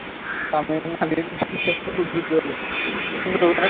তা মেনে না নিতে উদ্বুদ্ধ হলেন।